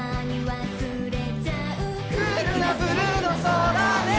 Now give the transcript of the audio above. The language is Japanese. クールなブルーの空音！